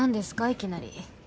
いきなり。